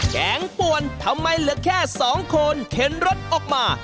แกงป่วนทำไมเหลือแค่๒คนเข็นรถออกมา